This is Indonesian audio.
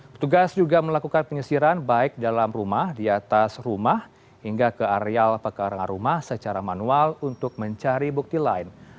petugas juga melakukan penyisiran baik dalam rumah di atas rumah hingga ke areal pekarangan rumah secara manual untuk mencari bukti lain